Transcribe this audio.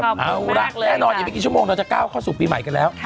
ขอบคุณมากเลยค่ะแน่นอนยังไม่กี่ชั่วโมงเราจะก้าวเข้าสู่ปีใหม่กันแล้ว